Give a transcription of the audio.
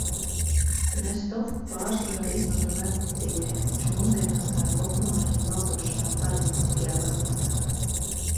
Ļestovku pārsvarā izmanto vecticībnieki, taču mūsdienās tā ir populāra arī valdošajā pareizticīgajā baznīcā.